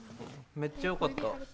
めっちゃよかった。